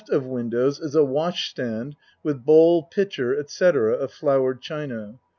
of windows is a wash stand, with bowl, pitcher, etc., of flowered china.